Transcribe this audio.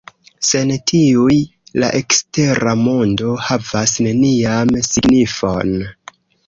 Sen tiuj, la ekstera mondo havas nenian signifon.